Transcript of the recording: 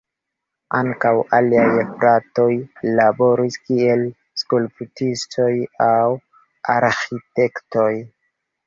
Ankaŭ aliaj fratoj laboris kiel skulptistoj aŭ arĥitektoj.